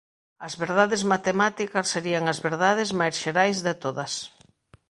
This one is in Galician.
As verdades matemáticas serían as verdades máis xerais de todas.